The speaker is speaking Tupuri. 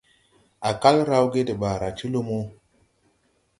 Á kal rawge de ɓaara ti lumo.